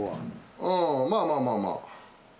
ああまあまあまあまあ。